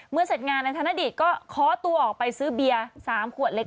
เสร็จงานนายธนดิตก็ค้อตัวออกไปซื้อเบียร์๓ขวดเล็ก